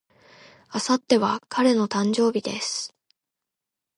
明後日は彼の誕生日です。